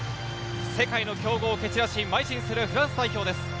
世界の強豪を蹴散らしまい進するフランスです。